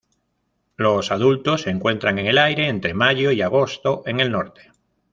Los adultos se encuentran en el aire entre mayo y agosto en el norte.